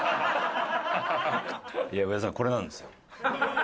いや上田さんこれなんですよ。